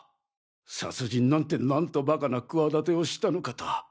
殺人なんて何とバカな企てをしたのかと。